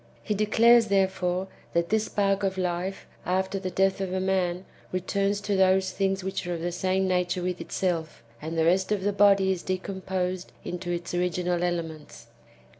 He declares, therefore, that this spark of life, after the death of a man, returns to those things which are of the same nature with itself, and the rest of the body is decomposed into its original elements.